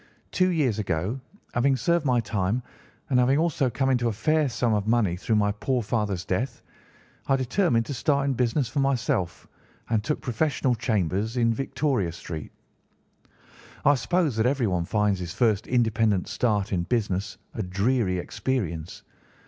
Two years ago, having served my time, and having also come into a fair sum of money through my poor father's death, I determined to start in business for myself and took professional chambers in Victoria Street. "I suppose that everyone finds his first independent start in business a dreary experience.